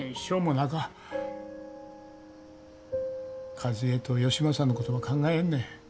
和枝と義正のことば考えんね。